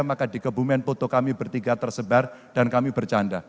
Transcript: maka di kebumen foto kami bertiga tersebar dan kami bercanda